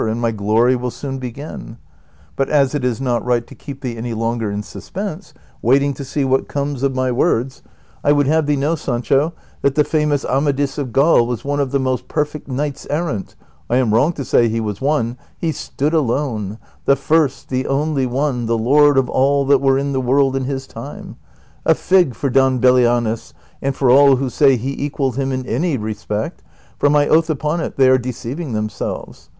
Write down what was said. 191 right to keep thee any hniger in suspense, waiting to see what comes of my words, I woukl have thee know, Sancho, that the famous Amadis of Claul was one of the most perfect knights errant — I am wrong to say he was one; he stood alone, the first, the only one, the hn d of all that were in the world in his time. A fig for Don Belianis, and for all who say he equalled him in any respect, for, my oath upon it, they are de ceiving themselves